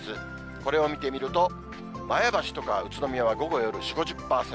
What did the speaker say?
これを見てみると、前橋とか宇都宮は午後、夜４、５０％。